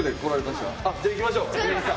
じゃあ行きましょう峯岸さん。